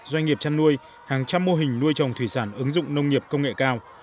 doanh nghiệp chăn nuôi hàng trăm mô hình nuôi trồng thủy sản ứng dụng nông nghiệp công nghệ cao